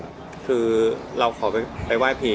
คือเราขอไปไหว้ผี